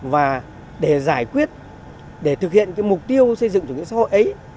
và để giải quyết để thực hiện cái mục tiêu xây dựng chủ nghĩa xã hội ấy